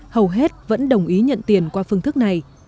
hầu hết vẫn đồng ý nhận tiền qua phương thức này